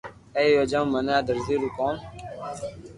اي ري وجہ مون مني آ درزو رو ڪوم